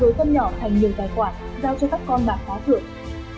rồi tâm nhỏ thành nhiều tài khoản giao cho các con bạn phá thưởng